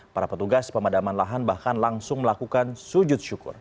para petugas pemadaman lahan bahkan langsung melakukan sujud syukur